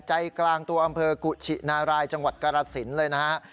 ใจกลางตัวอำเภอกุชินารายจังหวัดกรสินเลยนะฮะ